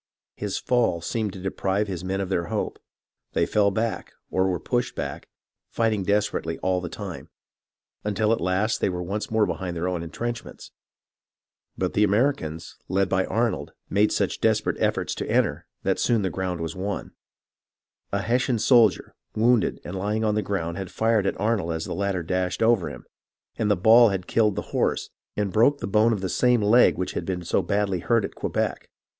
His fall seemed to deprive his men of their hope. They fell back, or were pushed back, fighting desperately all the time, until at last they were once more behind their own entrenchments ; but the Americans, led by Arnold, made such desperate efforts to enter that soon that ground was won. 208 HISTORY OF THE AMERICAN REVOLUTION A Hessian soldier, wounded and lying on the ground, had fired at Arnold as the latter dashed over him ; and the ball had killed the horse, and broke tlie bone of the same leg which had been hurt so badly at Quebec.